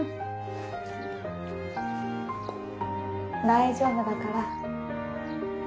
大丈夫だから。